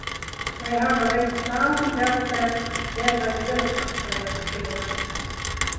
Wy hawwe resultaten delset dêr't wy grutsk op wêze kinne.